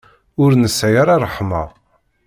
Ur nesɛi ara ṛṛeḥma.